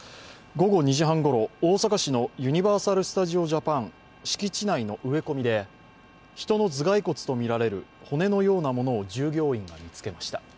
午後２時半ごろ、大阪市のユニバーサル・スタジオ・ジャパン敷地内の植え込みでヒトの頭蓋骨とみられる骨のようなものを従業員が見つけました。